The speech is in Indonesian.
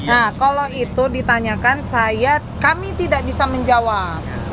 nah kalau itu ditanyakan saya kami tidak bisa menjawab